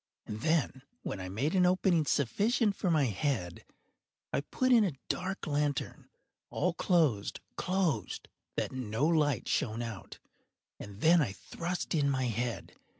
And then, when I had made an opening sufficient for my head, I put in a dark lantern, all closed, closed, that no light shone out, and then I thrust in my head.